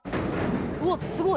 うわっすごい！